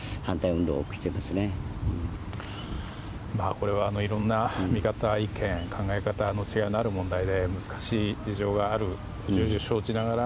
これはいろんな見方、意見考え方の違いのある問題で難しい事情があることを重々承知ながら。